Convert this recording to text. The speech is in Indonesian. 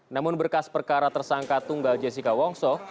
namun berkas perkara tersangka tunggal jessica wongso